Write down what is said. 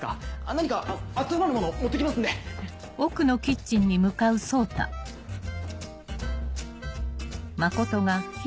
何か温まるものを持って来ますんで！